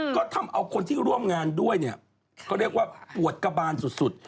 ก็ทำเอาคนที่ร่วมงานด้วยเนี่ยเขาเรียกว่าปวดกระบานสุด